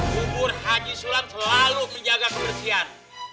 kubur haji sulam selalu menjaga kebersihan